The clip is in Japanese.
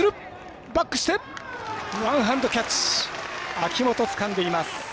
秋元、つかんでいます。